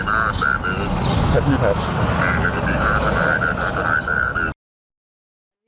เขาเราค้าในหน้าแสน